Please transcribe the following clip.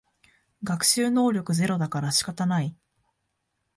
学習能力ゼロだから仕方ない